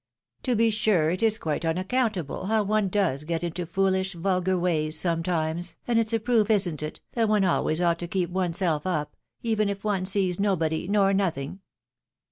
To be sure it is quite imaccountable how one does get into foolish, vulgar ways, sometimes, and it's a proof, isn't it, that one always ought to keep oneself up, even if one sees nobody nor nothing